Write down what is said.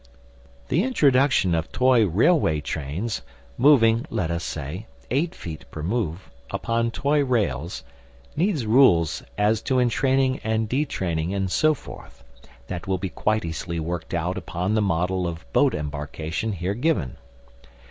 The introduction of toy railway trains, moving, let us say, eight feet per move, upon toy rails, needs rules as to entraining and detraining and so forth, that will be quite easily worked out upon the model of boat embarkation here given.